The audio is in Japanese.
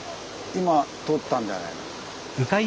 今とったんじゃないの。